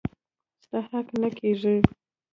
ستا حق نه کيږي.